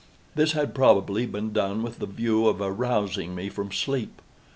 This had probably been done with the view of arousing me from sleep.